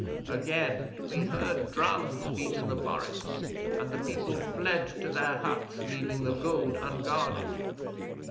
Again we heard drums beat in the forest, and the people fled to their huts, leaving the gold unguarded.